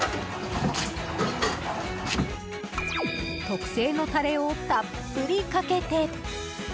特製のタレをたっぷりかけて。